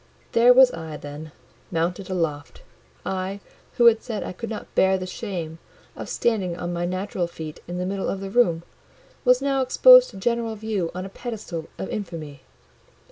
There was I, then, mounted aloft; I, who had said I could not bear the shame of standing on my natural feet in the middle of the room, was now exposed to general view on a pedestal of infamy.